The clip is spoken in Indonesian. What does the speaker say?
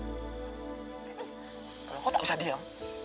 kau tidak bisa diam